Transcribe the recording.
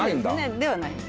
ではないです。